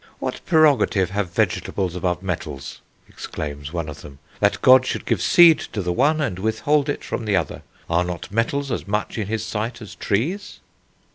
"What prerogative have vegetables above metals," exclaims one of them, "that God should give seed to the one and withhold it from the other? Are not metals as much in His sight as trees?"